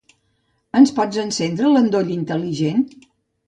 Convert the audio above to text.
Ens pots encendre l'endoll intel·ligent?